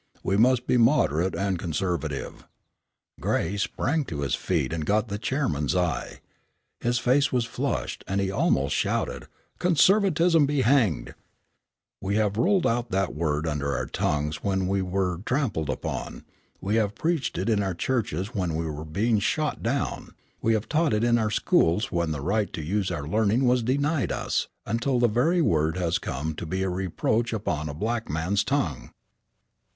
We must be moderate and conservative." Gray sprang to his feet and got the chairman's eye. His face was flushed and he almost shouted: "Conservatism be hanged! We have rolled that word under our tongues when we were being trampled upon; we have preached it in our churches when we were being shot down; we have taught it in our schools when the right to use our learning was denied us, until the very word has come to be a reproach upon a black man's tongue!"